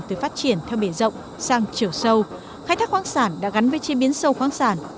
từ phát triển theo bể rộng sang chiều sâu khai thác khoáng sản đã gắn với chế biến sâu khoáng sản